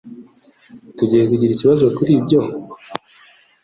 Tugiye kugira ikibazo kuri ibyo?